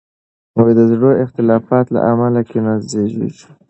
د زړو اختلافاتو له امله کینه زیږیږي.